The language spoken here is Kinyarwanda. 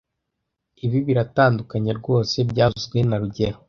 Ibi biratandukanye rwose byavuzwe na rugero